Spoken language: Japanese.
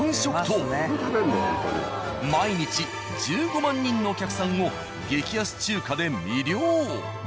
毎日１５万人のお客さんを激安中華で魅了！